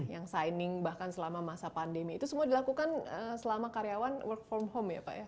yang signing bahkan selama masa pandemi itu semua dilakukan selama karyawan work from home ya pak ya